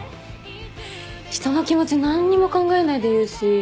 人の気持ち何にも考えないで言うし。